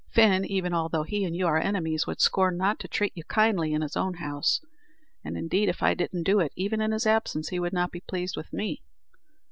Fin, even although he and you are enemies, would scorn not to treat you kindly in his own house; and, indeed, if I didn't do it even in his absence, he would not be pleased with me."